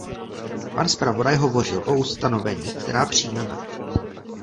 Pan zpravodaj hovořil o ustanoveních, která přijmeme.